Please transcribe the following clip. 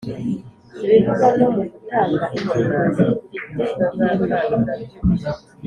ibivugwa no mu gutanga ingingo zifiteireme